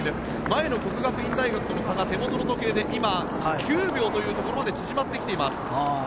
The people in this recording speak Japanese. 前の國學院大學との差が手元の時計で９秒まで縮まってきています。